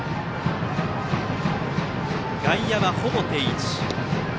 外野はほぼ定位置。